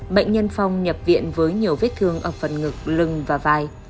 bệnh nhân phong nhập viện với nhiều vết thương ở phần ngực lưng và vai